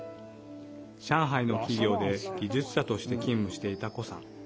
上海の企業で技術者として勤務していた顧さん。